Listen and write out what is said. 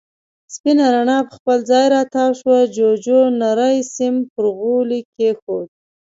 سپينه رڼا پر خپل ځای را تاوه شوه، جُوجُو نری سيم پر غولي کېښود.